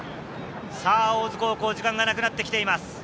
大津高校、時間がなくなってきています。